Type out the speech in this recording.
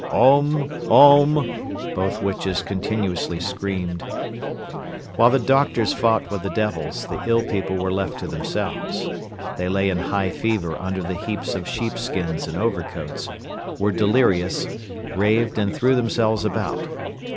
"Om! Om!" both witches continuously screamed. While the doctors fought with the devils, the ill people were left to themselves. They lay in high fever under the heaps of sheepskins and overcoats, were delirious, raved and threw themselves about.